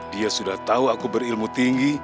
dia sudah tahu aku berilmu tinggi